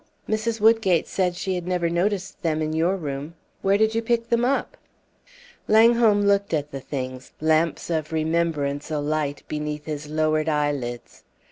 Mrs. Woodgate said she had never noticed them in your room. Where did you pick them up?" Langholm looked at the things, lamps of remembrance alight beneath his lowered eyelids.